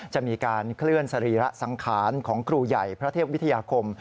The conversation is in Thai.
จะมีการเคลื่อนสรีระสังขารของครูใหญ่พระเทพวิทยาคม